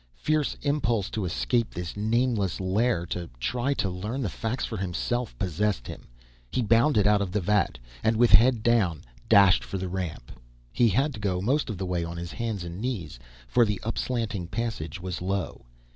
Fierce impulse to escape this nameless lair, to try to learn the facts for himself, possessed him. He bounded out of the vat, and with head down, dashed for the ramp. He had to go most of the way on his hands and knees, for the up slanting passage was low.